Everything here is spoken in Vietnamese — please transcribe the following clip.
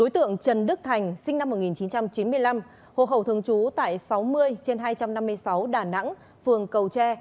sáu mươi trên hai trăm năm mươi sáu đà nẵng phường cầu tre